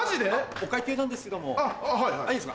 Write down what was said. お会計なんですけどもいいですか？